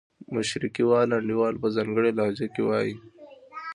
مشرقي وال انډیوال په ځانګړې لهجه کې وایي.